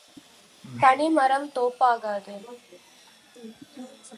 தனி மரம் தோப்பாகாது.